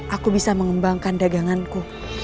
aku bisa mengembangkan daganganku